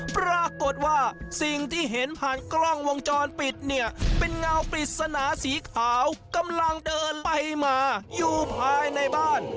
ปรากฏว่าสิ่งที่เห็นผ่านกล้องวงจรปิดเนี่ยเป็นเงาปริศนาสีขาวกำลังเดินไปมาอยู่ภายในบ้าน